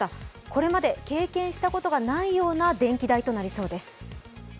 これまで経験したことがないような電気代となりそうです。